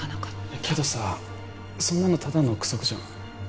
けどさそんなのただの臆測じゃん